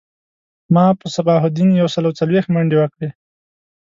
ما په صباح الدین یو سل او څلویښت منډی وکړی